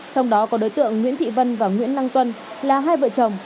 trong đó có đối tượng nguyễn thị vân và nguyễn đăng tuân là hai vợ chồng